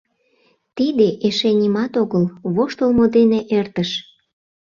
Тиде эше нимат огыл, воштылмо дене эртыш.